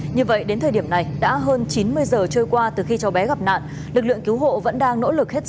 như vậy đến thời điểm này đã hơn chín mươi giờ trôi qua từ khi cho bé gặp nạn